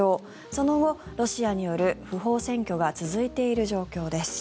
その後、ロシアによる不法占拠が続いている状況です。